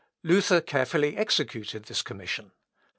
Luther carefully executed this commission.